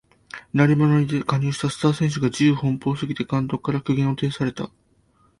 鳴り物入りで加入したスター選手が自由奔放すぎて監督から苦言を呈された